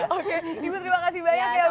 oke ibu terima kasih banyak ya